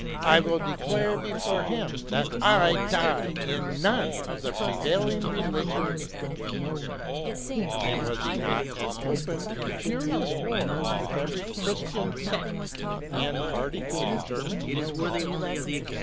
I will declare before him that I die in none of the prevailing religions '? And was he not at open and furious war with every Christian sect and party in Germany